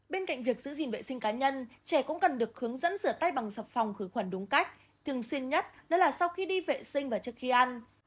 bên cạnh việc giữ gìn vệ sinh cá nhân trẻ cũng cần được hướng dẫn rửa tay bằng sập phòng khử khuẩn đúng cách thường xuyên nhất đó là sau khi đi vệ sinh và trước khi ăn